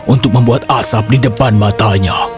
untuk membuat asap di depan matanya